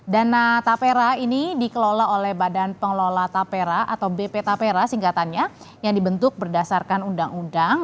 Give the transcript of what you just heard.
dana tapera ini dikelola oleh badan pengelola tapera atau bp tapera singkatannya yang dibentuk berdasarkan undang undang